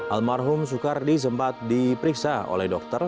almarhum soekardi sempat diperiksa oleh dokter